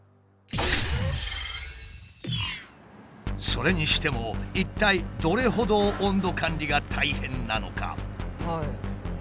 それにしても一体どれほど温度管理が大変なのか？